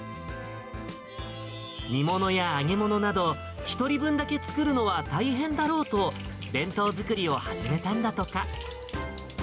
煮物や揚げ物など、１人分だけ作るのは大変だろうと、弁当作りを始めたんだとか。